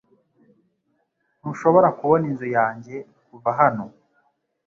Ntushobora kubona inzu yanjye kuva hano .